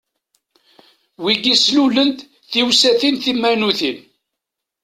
Wigi slulen-d tiwsatin timaynutin.